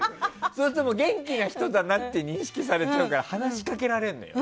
そうすると元気な人だなって認識されちゃうから話しかけられるのよ。